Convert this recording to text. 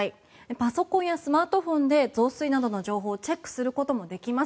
パソコンやスマートフォンで増水などの情報をチェックすることもできます。